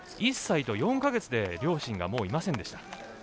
１歳と４か月で両親がもういませんでした。